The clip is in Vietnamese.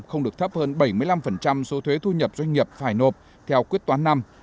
không được thấp hơn bảy mươi năm số thuế thu nhập doanh nghiệp phải nộp theo quyết toán năm